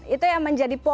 itu yang menjadi poin